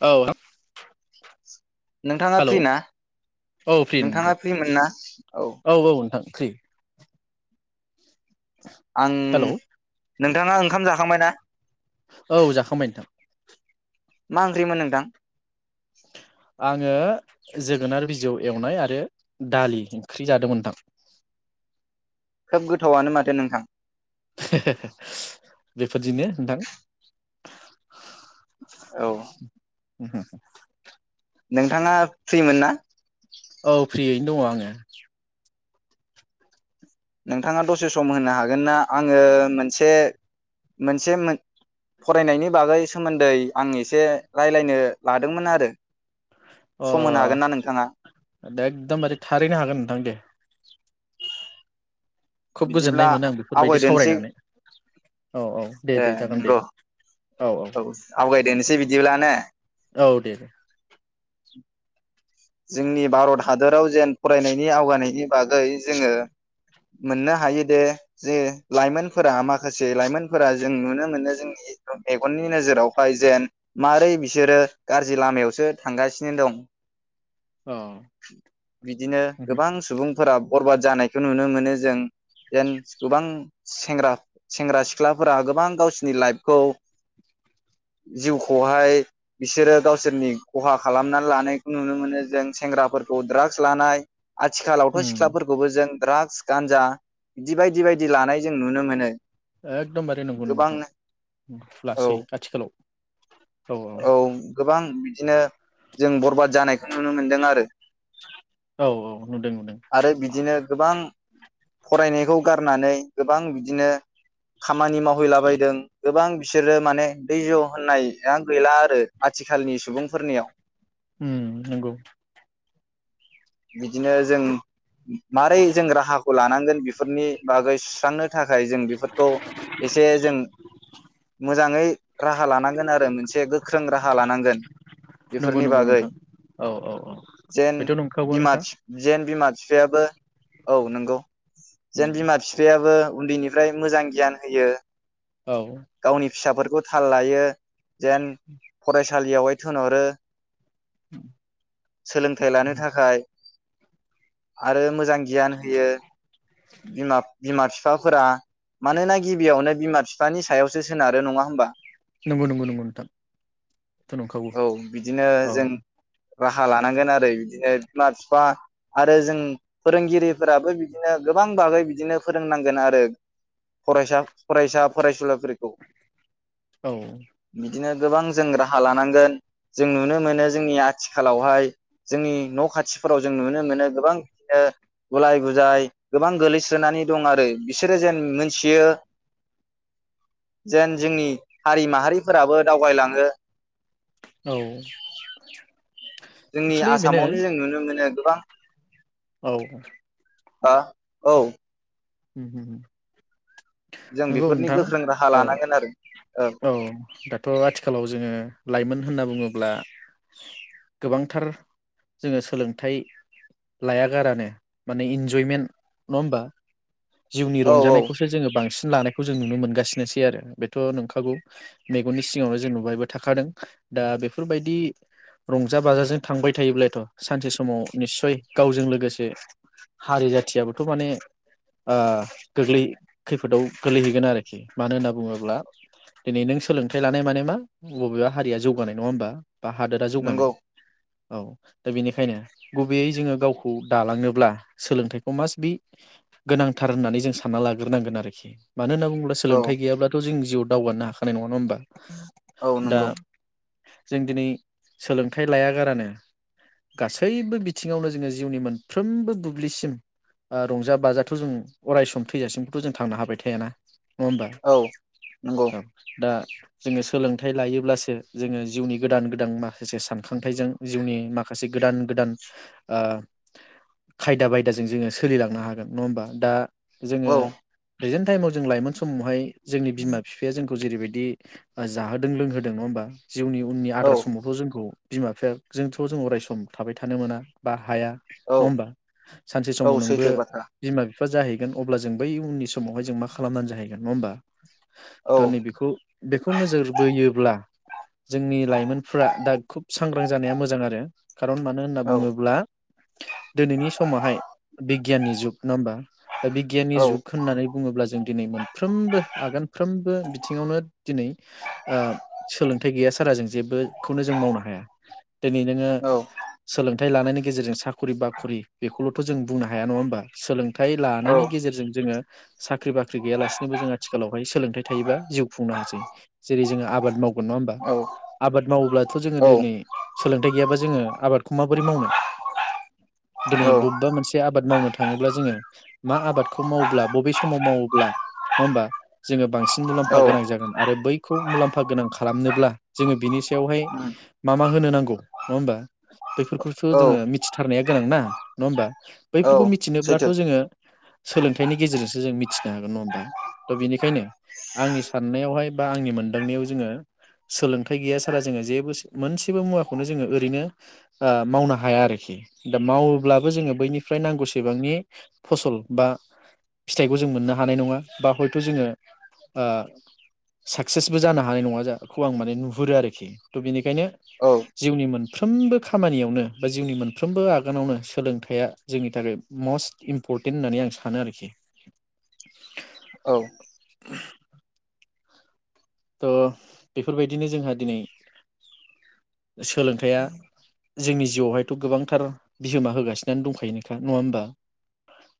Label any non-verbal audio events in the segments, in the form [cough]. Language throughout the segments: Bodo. औ नोंथाङा हेलौ फ्रि ना औ फ्रि नोंगौ नोंथाङा फ्रिमोन ना औ? औ औ नोंथां फ्रि आं हेलौ नोंथाङा ओंखाम जाखांबाय ना? औ जाखांबाय नोंथां। मा ओंख्रिमोन नोंथां? आङो जोगोनार बिजौ एवनाय आरो दालि ओंख्रि जादोंमोन नोंथां। खोब गोथावआनो माथो नोंथां। बेफोरदिनो नोंथां औ [inaudible] नोंथाङा फ्रिमोन ना? औ फ्रियैनो दङ आङो। नोंथाङा दसे सम होनो हागोन ना आङो मोनसे मोनसे मोन फरायनायनि बागै सोमोन्दै आं एसे रायलायनो लादोंमोन आरो। अ सम होनो हागोन ना नोंथाङा दा एकदमबारे थारैनो हागोन नोंथां दे। खुब बिदिब्ला गोजोननाय मोनो आं बेफोरबायदि आवगायदोनोसै सावरायनानै औ औ दे ए दे जागोन दे। नंगौ औ आवगायदोनिसै बिदिब्ला ने औ दे दे जोंनि भारत हादराव जेन फरायनायनि आवगायनायनि बागै जोङो मोननो हायो दे जोङो लाइमोनफोरा माखासे लाइमोनफोरा जों नुनो मोनो जोंनि मेगननि नोजोरावहाय जेन मारै बिसोरो गाज्रि लामायावसो थांगासिनो दं । औ बिदिनो उम गोबां सुबुं फोरा बरबाद जानायखौ नुनो मोनो जों जेन गोबां सेंग्रा सेंग्रा सिख्लाफोरा गोबां गावसोरनि लाइफखौ जिउखौहाय बिसोरो गावसोरनि खहा खालामनानै लानाय नुनो मोनो जों सेंग्राफोरखौ द्राग्स लानाय आथिखालावथ' सिख्लाफोरखौबो जों ड्राग्स गान्जा बिदि बायदि बायदि लानाय जों नुनो मोनो । एकदमबारे नंगौ नंगौ नोंथां औ लासै आथिखालाव औ औ । दिनो जों बरबाद जानायखौ नुनो मोनदों आरो औ औ नुदों नुदों आरो बिदिनो गोबां फरायनायखौ गारनानै गोबां बिदिनो खामानि मावहैलाबायदों गोबां बिसोरो माने दैज' होननाया गैला आरो आथिखालनि सुबुंफोरनियाव उम नोंगौ । बिदिनो जों मारै जों राहाखौ लानांगोन बेफोरनि बागै सुस्रांनो थाखाय जों बेफोरखौ एसे जों मोजाङै राहा लानांगोन आरो मोनसे गोख्रों राहा लानांगोन नंगौ बेफोरनि नंगौ बागै नोंथां औ औ औ जेन बेथ' बिमा नंखागौआनोखा। जेन बिमा बिफायाबो औ नंगौ जेन बिमा बिफायाबो उन्दैनिफ्राय मोजां गियान होयो। औ। गावनि फिसाफोरखौ थाल लायो। जेन फरेस थालियावहाय थोनहरो सोलोंथाइ लानो थाखाय। आरो मो मोजां गियान होयो बिमा फिफ बिफाफोरा मानोना गिबियावनो बिमा बिफानि सायावसो सोनारो नङा होमबा? नंगौ नंगौ नंगौ नोंथां बेथ' नंखागौ औ बिदिनो औ। जों राहा लानांगोन आरो बिदिनो बिमा बिफा आरो जों फोरोंगिरिफोराबो गोबां बागै बिदिनो फोरोंनांगोन आरो फरायसा फरायसुलिफोरखौ औ। बिदिनो गोबां जों राहा लानांगोन जों नुनो मोनो जोंनि आथिखालावहाय जोंनि न' खाथिफोराव जों नुनो मोनो गोबां बिदिनो गुलाय गुजाय गोबां गोलैसोनानै दं आरो बिसोरो जेन मोनथियो जेन जोंनि हारि माहारिफोराबो दावबाय लाङो । औ। जोंनि एक्सुलि बेनो आसामावनो जों नुनो मोनो। गोबां औ। हा औ। उम उम। जों नंगौ बेफोरनि नोंथां गोख्रों राहा औ लानांगोन आरो औ दाथ' आथिखालाव जोङो लाइमोन होनना बुङो ब्ला गोबांथार जोङो सोलोंथाइ लाया गारानो माने इन्जयमेन्ट नङा होमबा। जिउनि औ औ रंजानायखौसो जोङो बांसि लानायखौ जों नुनो मोनगासिनोसै आरो बेथ' नंखागौ मेगननि सिगावनो जों नुबायबो थाखादों दा बेफोरबायदि रंजा बाजाजों थांबाय थायोब्लाथ' सानसे समाव निस्सय गावजों लोगोसे हारि जाथियाबोथ' माने ओ गोग्लै खैफोदाव गोलैहैगोन आरोखि मानो होनना बुङोब्ला दिनै नों सोलोंथाइ लानाय माने मा बबेबा हारिया जौगानाय नङा होमबा। बा हादोरा नंगौ जौगानाय औ दा बेनिखायनो गुबैयै जोङो गावखौ दालांनोब्ला सोलोंथाइखौ मास बि गोनांथार होननानै जों सानना लाग्रोनांगोन आरोखि। मानो होनना बुंब्ला औ सोलोंथाइ गैयाब्लाथ' जों जिउआव दावगानोनो हाखानाय नङा होमबा। औ दा नंगौ जों दिनै सोलोंथाइ लाया गारानो गासैबो बिथिङावनो जोङो जिउनि मोनफ्रोमबो बुब्लिसिम ओ रंजा बाजा थ' जों अराय सम थैजासिमबोथ' जों थांनो हाबाय थायाना नङा होमबा औ नंगौ औ दा जोङो सोलोंथाइ लायोब्लासो जोङो जिउनि गोदान गोदान माखासे सानखांथाइजों जिउनि माखासे गोदान गोदान ओ खायदा बायदाजों जोङो सोलिलांनो हागोन नङा होमबा दा जोङो औ प्रेजेन्ट टाइमाव जों लाइमोन समावहाय जोंनि बिमा बिफाया जोंखौ जेरैबायदि जाहोदों लोंहोदों नङा होमबा जिउनि उननि औ आद्रा समावथ' जोंखौ बिमा बिफाजोंथ' जों अरायसम थाबाय थानो मोना बा हाया औ नङा होमबा सानसे औ समाव नोंबो सैथो बाथ्रा बिमा बि फ्रा जाहैगोन अब्ला जों बै उननि समावहाय जों मा खालामनानै जाहैगोन नङा होमबा औ दा नैबेखौ बेखौ नोजोर बोयो ब्ला जोंनि लाइमोनफ्रा दा खुब सांग्रां जानाया मोजां आरो खारन मानो होनना औ बुङोब्ला दिनैनि समावहाय बिगियाननि जुग बा दा बिगियाननि औ जुग होननानै बुङोब्ला जों दिनै मोनफ्रोमबो आगानफ्रोमबो बिथिङावनो दिनै ओ सोलोंथाइ गैया सारा जों जेबो खौनो जों मावनो हाया दिनै नोङो औ सोलों थाइ लानायनि गेजेरजों साखरि बाखरि बेखौल'थ' जों बुंनो हाया नङा होमबा सोलों थाय औ लानायनि गेजेरजों जोङो साख्रि बाख्रि गैयालासिनोबो जों आथिखालावहाय सोलोंथाइ थायोबा जिउ खुंनो हासै। जेरै जोङो आबाद माव नङा होमबा औ आबाद मावोब्लाथ' जोङो दिनै औ सोलोंथाइ गैयाबा जोङो आबादखौ माबोरै मावनो। दिनै बबेबा मोनसे आबाद मावनो थाङोब्ला जोङो मा आबादखौ मावोब्ला बबे समाव मावोब्ला नङा होमबा जोङो बां सिन औ मुलाम्फा गोनां जागोन आरो बै खौ मुलाम्फा गोनां खालामनोब्ला जोङो बिनि सायावहाय उम मा मा होनो नांगौ नङा होमबा, बैफोरखौथ' औ जोङो मिथिथारनाया गोनां ना नङा होमबा, औ बैफोरखौ मि मिथिनोब्लाथ' सैथो जोङो सोलोंथाइनि गेजेरजोंसो जों मिथिनो हागोन नङा होमबा, त बिनिखायनो आंनि साननायावहाय बा आंनि मोनदांनायाव जोङो सोलोंथाइ गैया सारा जोङो जेबो मोनसेबो मुवाखौनो जोङो ओरैनो मावनो हाया आरोखि दा मावोब्लाबो जोङो बैनिफ्राय नांगौसि सेबांनि फसल बा फिथाइखौ जों मोननो हानाय नङा बा हयथ' जोङो ओ साक्सेसबो जानो हानाय नङाखौ आं माने नुहुरो आरोखि थ' बेनिखायनो औ जिउनि मोनफ्रोमबो खामानियावनो बा जिउनि मोनफ्रोमबो आगानावनो सोलोंथाइया जोंनि थाखाय मस्ट इम्परटेन्ट होननानै आं सानो आरोखि। औ [unintelligible] थ' बेफोरबायदिनो जोंहा दिनै [inaudible] सोलोंथाइया जोंनि जिउआवहायथ' गोबांथार बिहोमा होगासिनो दंखायो नखा नङा होमबा?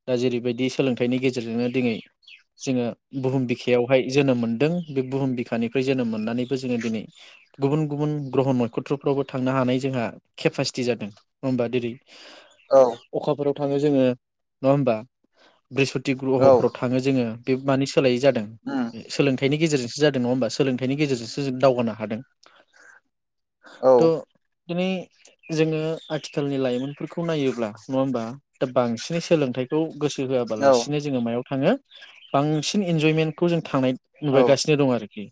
दा जेरैबायदि सोलोंथाइनि गेजेरजोंनो दिनै जोङो बुहुम बिखायावहाय जोनोम मोनदों बे बुहुम बि खा निफ्राय जोनोम मोननानैबो जोङो दिनै गुबुन गुबुन ग्रह नखथ्रफ्रावबो थांनो हानाय जोंहा खेपासिटि जादों औ [unintelligible] [inaudible] अखाफोर थाङो जोङो नङा होमबा? बृहस्पति औ ग्रह'फोराव थाङो जोङो बे मानि सोलायि जादों उम सोलों थाइनि गेजेरजोंसो जादों नङा होमबा सोलोंथाइनि गेजेरजोंसो जों दावगानो हादों। औ थ' दिनै जोङो आथिखालनि लाइमोनफोरखौ नायोब्ला नङा होमबा दा बांसिनै सोलोंथाइखौ गोसो औ होआबालासिनो जोङो मायाव थाङो बांसिन इन्जयमेन्टखौ जों थांनाय नुबायगासिनो दं आरो कि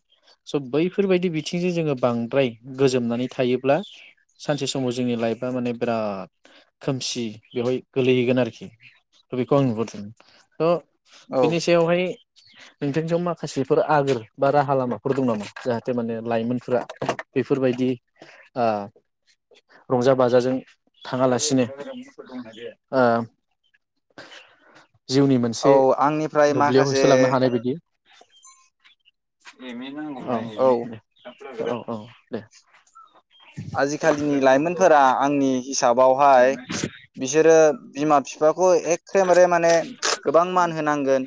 स' बैफोरबायदि बिथिंजों जोङो बांद्राय गोजोमनानै थायोब्ला सानसे समाव जोंनि लाइफआ माने बिराद खोमसि बेवहाय गोलैहैगोन आरोखि, थ' बेखौ आं नुहुरदोंमोन त' औ बिनि सायावहाय नोंथांजों माखासेफोर आगोर बा राहा लामाफोर दं नामा? जाहाथे माने लाइमोनफोरा बेफोरबायदि ओ रंजा बाजाजों थाङालासिनो ओ जिउनि मोनसे औ आंनिफ्राय दुब्लियाव माखासे होसोलांनो हानाय बायदि एमि औ औ औ दे। आजिखालिनि लाइमोनफोरा आंनि हिसाबावहाय बिसोरो बिमा बिफाखौ एखेबारे माने गोबां मान होनांगोन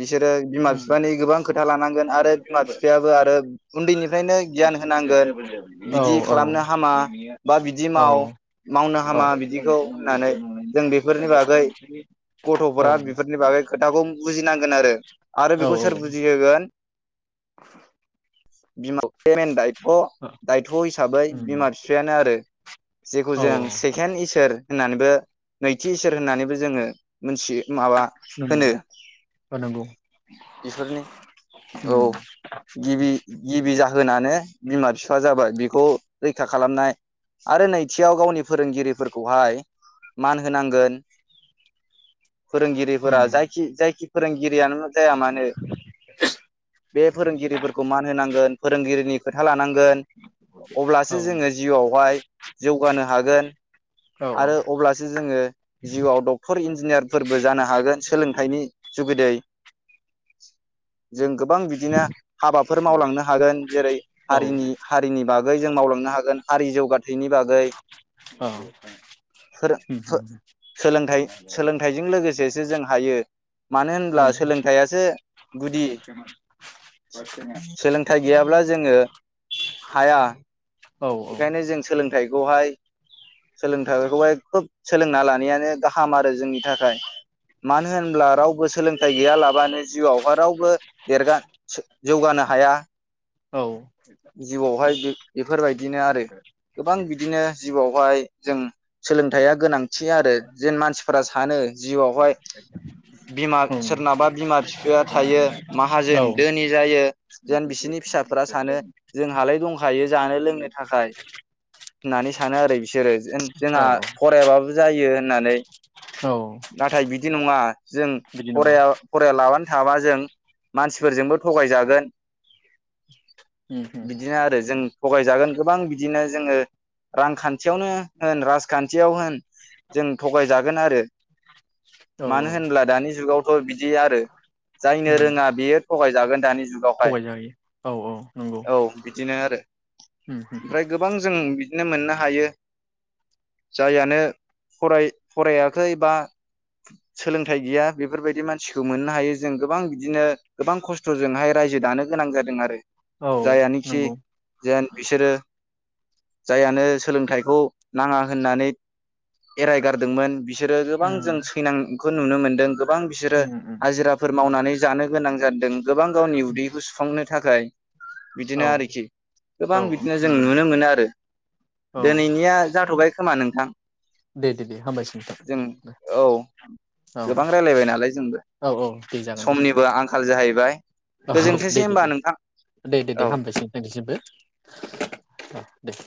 बिसोरो बिमा -बिफानि गोबां खोथा [unintelligible] नांगोन आरो बिमा बिफायाबो आरो उन्दैनिफ्रायनो गियान होनांगोन। औ औ बिदि खालामनो हामा बा बिदि औ माव मावनो हामा औ बिदिखौ होननानै जों बेफोरनि बागै गथ'फोरा औ बेफोरनि बागै खोथाखौ बुजिनांगोन आरो आरो औ बेखौ सोर बुजिहोगोन [unintelligible] [unintelligible] [unintelligible] [unintelligible] दायथ' हिसाबै उम बिमा बिफायानो आरो [unintelligible] जेखौ औ जों सेकेणड इसोर होननानैबो नैथि इसोर होननानैबो जोंङो मोनथियो। माबा नंगौ होनो औ नंगौ बिफोरनि औ उम गिबि गिबि जा होनानो बिमा [unintelligible] जाबाय बिखौ रैखा खालामनाय आरो नैथियाव गावनि फोरोंगिरिफोरखौहाय मान होनांगोन। उम फोरोंगिरिफोरा जायखि जायखि फोरोंगिरियानो जाया मानो बे फोरोंगिरिफोरखौ मान होनांगोन फोरोंगिरिनि खोथा लानांगोन। अब्लासो औ जोंङो जिउआवहाय जौगानो हागोन। औ आरो अब्लासो जोंङो जिउआव डक्टर इन्जिनियारफोरबो जानो हागोन सोलोंथाइनि जुगिदै [unintelligible] जों गोबां बिदिनो हाबाफोर मावलांनो हागोन जेरै हारिनि औ हारिनि बागै जों मावलांनो हागोन। आरि जौगाथाय बिनिबागै औ फोरों -फोरों‌ उम सोलोंथाइ-सोलोंथाइजों लोगोसेसो जों हायो मानो होनब्ला नंगौ सोलोंथाइयासो गुदि। सोलोंथाइ गैयाब्ला जोंङो हाया औ बेखायनो जों सोलोंथाइ बेखौहाय सोलोंथाइ बेखौहाय खोब सोलोंना लानायानो गाहाम आरो जोंनि थाखाय। मानो होनब्ला राव बो सोलोंथाइ गैयालाबानो जिउआवहाय रावबो देरगा जौगानो हाया । औ जिउआवहाय बे-बेफोरबायदिनो आरो गोबां बिदिनो जिउआव हाय जों सोलोंथाइया गोनांथि आरो जेन मानसिफोरा सानो जिउआवहाय बिमा सोरनाबा बिमा फिफाया थायो औ माहाजोन धोनि जायो जेन बिसोरनि फिसाफोरा सानो जोंहालाय दंखायो जानो लोंनो थाखाय होनानै सानो आरो बिसोरो जों जोंहा औ फरायाबाबो जायो होननानै औ नाथाय बिदि नङा जों बिदि नङा फराया फरायालाबानो थाबा जों मानसिफोरजोंबो थगायजागोन [inaudible] बिदिनो आरो जों थगायजागोन गोबां बिदिनो जोङो रांखान्थियावनो होन राजखान्थियाव होन जों थगायजागोन आरो औ । औ मानो होनब्ला दानि जुगाव बिदि आरो । जायनो उम रोङा बेयो थगायजागोन दानि थगायजायो जुगावहाय औ औ । औ बिदिनो आरो उम ओमफ्राय गोबां जों बिनो मोननो हायो जाययानो फराय फरायाखै बा सोलोंथाइ गैया बेफोरबायदि मानसिखौ मोननो हायो जों गोबां बिदिनो गोबां खस्थ'जोंहाय रायजो दानो गोनां जादों आरो। औ जायानाखि नंगौ जेन बिसोरो जाययानो सोलोंथाइखौ नाङा होननानै एरायगारदोंमोन बि सोरो गोबां उम जों सैनां खो नुनो मोनदों। गोबां बिसोरो उम उम हाजिराफोर मावनानै जानो गोनां जादों गोबां गावनि उदैखौ सुफांनो था थाखाय बिदिनो औ आरोखि गोबां औ बिदिनो जों नंगौ नंगौ नुनो मोनो आरो । औ दोनैनिया जाथ'बाय खोमा नोंथां दे दे दे हामबायसै जों नोंथां औ औ गोबां रायलायबाय नालाय जोंबो औ औ दे जागोन दे समनिबो आंखाल जाहैबाय औ दे गोजोनथोंसै दे होमबा दे नोंथां। दे दे दे औ हामबायसै नोंनिसिमबो अ दे।